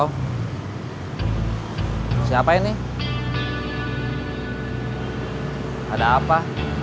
gak ada apa apa